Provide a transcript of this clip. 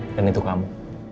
dan itu kamu